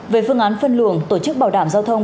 về phương án phân luồng tổ chức bảo đảm giao thông